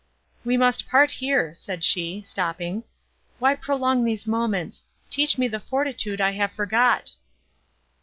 "We must part here," said she, stopping, "Why prolong these moments? Teach me the fortitude I have forgot."